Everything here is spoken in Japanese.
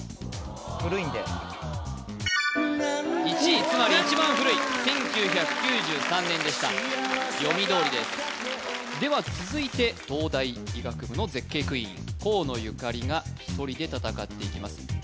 古いんで１位つまり一番古い１９９３年でした読みどおりですでは続いて東大医学部の絶景クイーン河野ゆかりが１人で戦っていきます